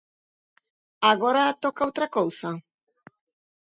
Agora toca outra cousa?